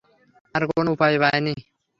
আর কোন উপায় পাইনি।